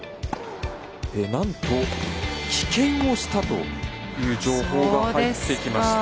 なんと、棄権をしたという情報が入ってきました。